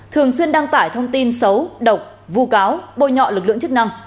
thường xuyên đăng tải thông tin xấu độc vụ cáo bôi nhọ lực lượng chức năng